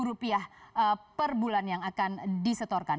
rp tiga puluh per bulan yang akan disetorkan